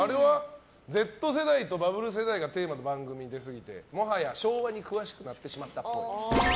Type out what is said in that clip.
「Ｚ世代とバブル世代」がテーマの番組に出すぎてもはや昭和に詳しくなってしまったっぽい。